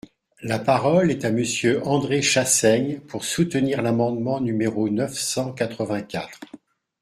La parole est à Monsieur André Chassaigne, pour soutenir l’amendement numéro neuf cent quatre-vingt-quatre.